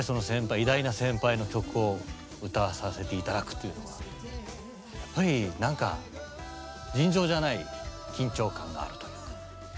偉大な先輩の曲を歌わさせて頂くというのはやっぱり何か尋常じゃない緊張感があるというか。